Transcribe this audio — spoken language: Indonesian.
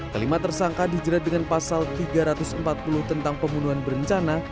kelima tersangka dijerat dengan pasal tiga ratus empat puluh tentang pembunuhan berencana